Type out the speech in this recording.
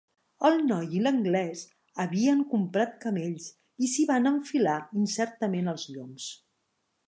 El noi i l'anglès havien comprat camells i s'hi van enfilar incertament als lloms.